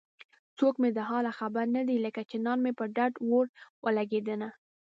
څوک مې د حاله خبر نه دی لکه چنار مې په ډډ اور ولګېدنه